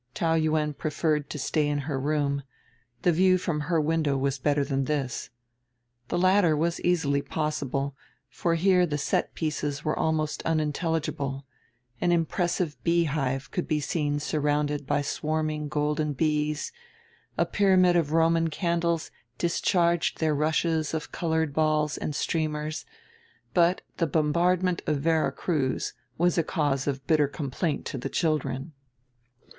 Taou Yuen preferred to stay in her room; the view from her window was better than this. The latter was easily possible, for here the set pieces were almost unintelligible: an impressive beehive could be seen surrounded by swarming golden bees, a pyramid of Roman candles discharged their rushes of colored balls and streamers; but the bombardment of Vera Cruz was a cause of bitter complaint to the children.